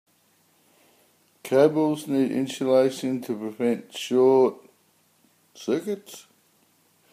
Cables need insulation to prevent short circuits.